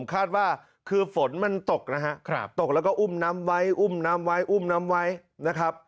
ผมคาดว่าคือฝนมันตกตกแล้วก็อุ้มน้ำไว้อุ้มน้ำไว้นะครับ